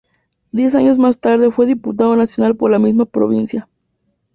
Diez años más tarde fue diputado nacional por la misma provincia.